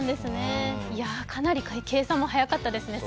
かなり計算も速かったですね。